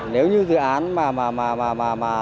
nếu như dự án mà